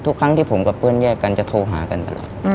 ทุกครั้งที่ผมกับเพื่อนแยกกันจะโทรหากันตลอด